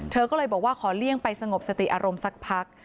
เธอก็เลยบอกว่าขอเลี่ยงไปสงบสติอารมณ์สักพัก